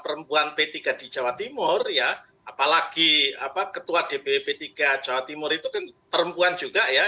perempuan p tiga di jawa timur ya apalagi ketua dpw p tiga jawa timur itu kan perempuan juga ya